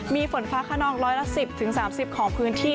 มีฝนฟ้าขนองร้อยละ๑๐๓๐ของพื้นที่